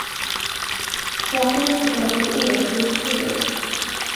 Saken måste komma från er, inte från mig.